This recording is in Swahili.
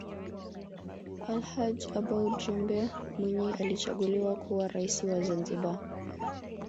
alhaj aboud jumbe mwinyi alichaguliwa kuwa raisi wa zanzibar